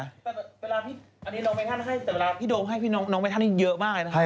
อันนี้น้องเมธานให้แต่เวลาพี่โดมให้น้องเมธานนี่เยอะมากเลยนะครับ